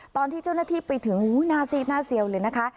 ตอนที่เจ้าหน้าที่ไปถึงหน้าเสียวเลยนะคะ